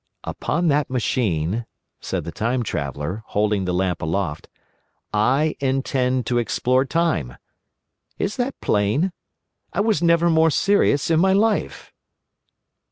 "Upon that machine," said the Time Traveller, holding the lamp aloft, "I intend to explore time. Is that plain? I was never more serious in my life."